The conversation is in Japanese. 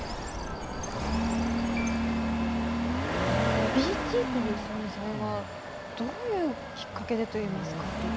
あのＢＴという存在はどういうきっかけでといいますか。